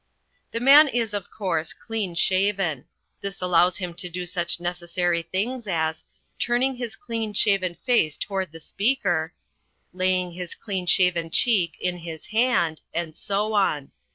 The Man is of course "clean shaven." This allows him to do such necessary things as "turning his clean shaven face towards the speaker," "laying his clean shaven cheek in his hand," and so on.